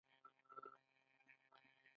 ایا ستاسو لاسونه به وینځل نه شي؟